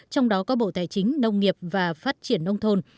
trong đó có bộ tài chính nông nghiệp và phát triển nông thôn